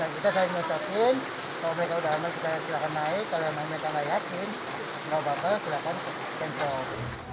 kita saya ingin yakin kalau mereka sudah aman silahkan naik kalau mereka tidak yakin tidak apa apa silahkan ke center